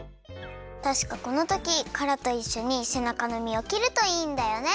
たしかこのときからといっしょにせなかのみを切るといいんだよね？